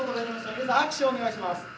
皆さん拍手をお願いします！